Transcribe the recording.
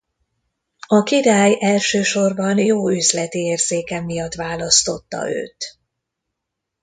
A király elsősorban jó üzleti érzéke miatt választotta őt.